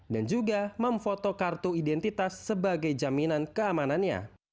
dan juga memfoto kartu identitas sebagai jaminan keamanannya